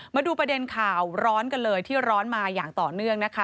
มาดูประเด็นข่าวร้อนกันเลยที่ร้อนมาอย่างต่อเนื่องนะคะ